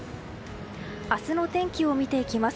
明日の天気を見ていきます。